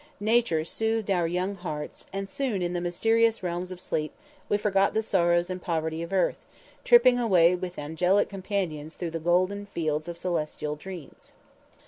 Nature soothed our young hearts, and soon, in the mysterious realms of sleep, we forgot the sorrows and poverty of earth, tripping away with angelic companions through the golden fields of celestial dreams.